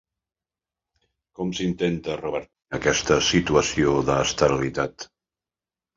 Com s'intentà revertir aquesta situació d'esterilitat?